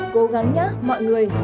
cố gắng nhá mọi người